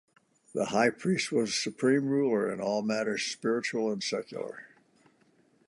The high priest was the supreme ruler in all matters spiritual and secular.